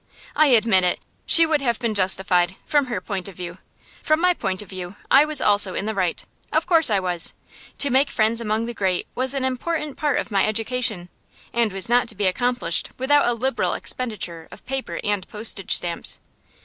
I admit it; she would have been justified from her point of view. From my point of view I was also in the right; of course I was. To make friends among the great was an important part of my education, and was not to be accomplished without a liberal expenditure of paper and postage stamps.